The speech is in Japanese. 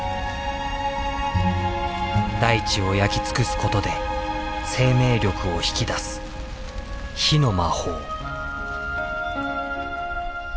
大地を焼き尽くすことで生命力を引き出す火の魔法。